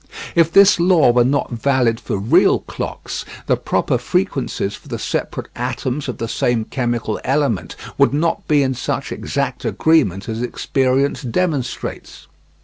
If this law were not valid for real clocks, the proper frequencies for the separate atoms of the same chemical element would not be in such exact agreement as experience demonstrates.